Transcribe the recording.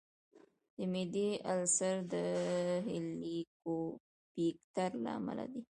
د معدې السر د هیليکوبیکټر له امله دی.